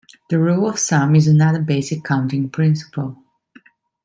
The rule of sum is another basic counting principle.